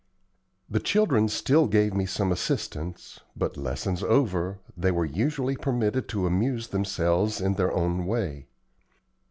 The children still gave me some assistance, but, lessons over, they were usually permitted to amuse themselves in their own way.